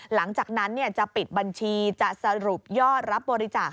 หลังจากนั้นจะปิดบัญชีจะสรุปยอดรับบริจาค